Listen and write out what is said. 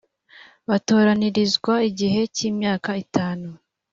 batoranirizwa igihe cy imyaka itanu